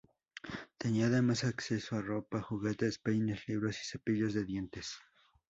Tenía además acceso a ropa, juguetes, peines, libros y cepillos de dientes.